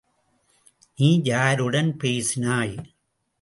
நீ யாருடன் பேசினாய்.